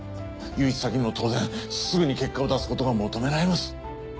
融資先にも当然すぐに結果を出すことが求められます。